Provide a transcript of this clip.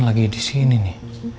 lagi di sini nih